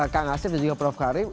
kak asif dan juga prof karim